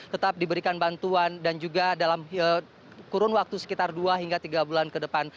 tetap diberikan bantuan dan juga dalam kurun waktu sekitar dua hingga tiga bulan ke depan